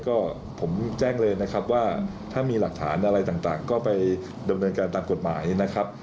ก็ผมแจ้งเลยนะครับว่าถ้ามีหลักฐานอะไรต่างก็ไปดำเนินการตามกฎหมายนะครับ